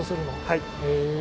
はい。